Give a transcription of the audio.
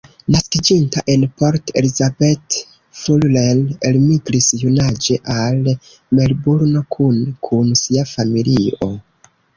Naskiĝinta en Port Elizabeth, Fuller elmigris junaĝe al Melburno kune kun sia familio.